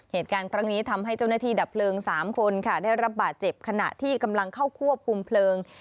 เหตุการณ์ครั้งนี้ทำให้เจ้าหน้าที่ดับเพลิง๓คนค่ะได้รับบาดเจ็บขณะที่กำลังเข้าควบคุมเพลิง